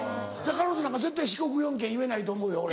彼女なんか絶対四国４県言えないと思うよ俺。